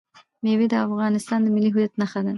مېوې د افغانستان د ملي هویت نښه ده.